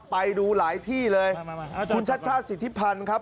ไปดูหลายที่เลยคุณชัชชาติสิทธิพันธ์ครับ